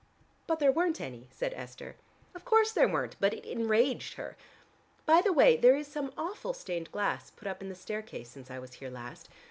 "But there weren't any," said Esther. "Of course there weren't, but it enraged her. By the way, there is some awful stained glass put up in the staircase since I was here last.